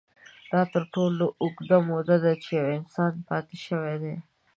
دا تر ټولو اوږده موده ده، چې یو انسان پاتې شوی دی.